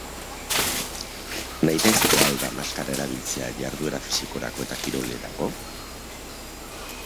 Nahitaezkoa al da maskara erabiltzea jarduera fisikorako eta kirolerako?